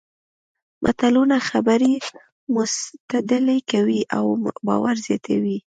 متلونه خبرې مستدللې کوي او باور زیاتوي